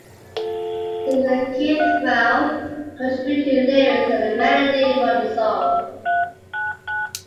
Singer Keith Relf contributed lyrics and a melody for the song.